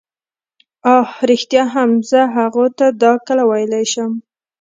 اه ریښتیا هم زه هغو ته دا کله ویلای شم.